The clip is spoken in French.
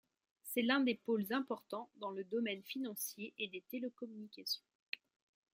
C'est l'un des pôles importants dans le domaine financier et des télécommunications.